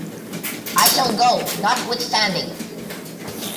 I shall go, notwithstanding.